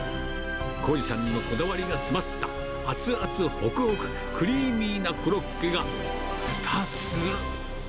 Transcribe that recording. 孝次さんのこだわりが詰まった、熱々ほくほく、クリーミーなコロッケが２つ。